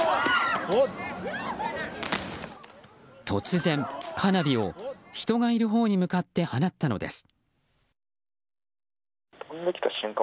突然、花火を人がいるほうに向かって放ったのです。